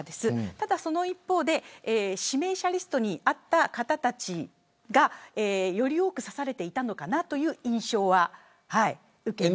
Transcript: ただ、その一方で指名者リストにあった方たちがより多く指されていたのかなという印象は受けました。